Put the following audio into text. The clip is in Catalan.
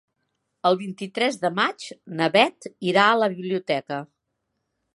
El vint-i-tres de maig na Beth irà a la biblioteca.